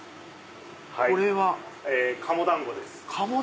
これは？鴨団子です。